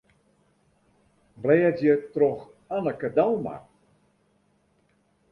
Blêdzje troch Anneke Douma.